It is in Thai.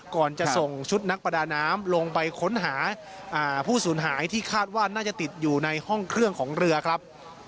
ก่อนจะส่งชุดนักประดาน้ำลงไปค้นหาผู้สูญหายที่คาดว่าน่าจะติดอยู่ในห้องเครื่องของเรือครับ